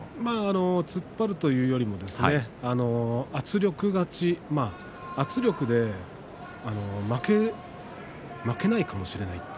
突っ張るというよりも圧力勝ちし圧力で負けないかもしれない。